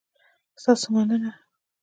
ستاسو مننه؟